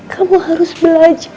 kamu harus belajar